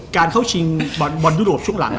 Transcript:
เข้าชิงบอลยุโรปช่วงหลัง